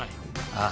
ああ。